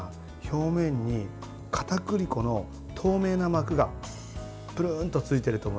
表面にかたくり粉の透明な膜がプルンとついてると思います。